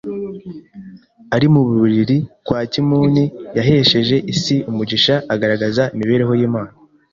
Ari mu mubiri wa kimuntu yahesheje isi umugisha agaragaza imibereho y’Imana,